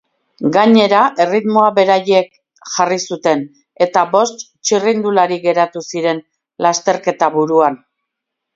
Gainera erritmoa beraiek jarri zuten eta bost txirrindulari geratu ziren lasterketa buruan.